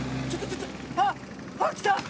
あっきた！